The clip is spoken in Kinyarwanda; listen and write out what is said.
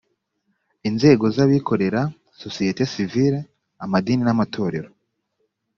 inzego z abikorera sosiyete sivile amadini n amatorero